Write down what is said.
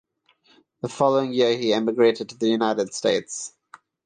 The following year he emigrated to the United States.